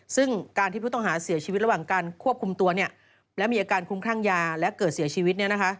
ซึ่งการที่ผู้ต้องหาเสียชีวิตระหว่างการควบคุมตัวและมีอาการคุ้มคลั่งยาและเกิดเสียชีวิต